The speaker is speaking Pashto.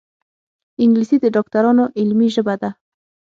انګلیسي د ډاکټرانو علمي ژبه ده